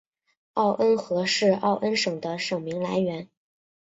奥恩河是奥恩省的省名来源。